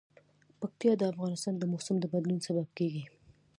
پکتیا د افغانستان د موسم د بدلون سبب کېږي.